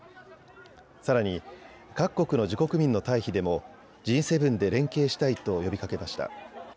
さらに各国の自国民の退避でもＧ７で連携したいと呼びかけました。